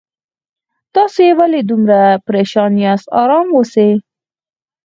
تاسو ولې دومره پریشان یاست آرام اوسئ